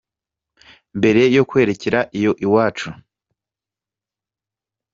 Mbere yo kwerekera iyo iwacu